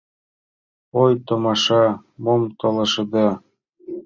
Ой, томаша, мом толашеда?